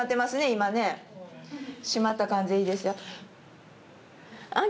今ね締まった感じでいいですよああ